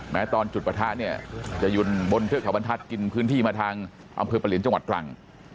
ตอนจุดประทะเนี่ยจะอยู่บนเทือกเขาบรรทัศน์กินพื้นที่มาทางอำเภอประเหลียนจังหวัดตรัง